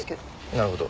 なるほど。